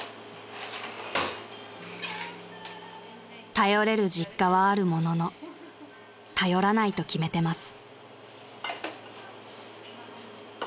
［頼れる実家はあるものの頼らないと決めてます］